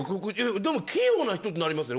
でも器用な人ってなりますよね。